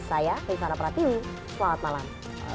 saya rizana pratili selamat malam